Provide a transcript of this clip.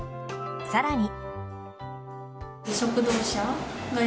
さらに。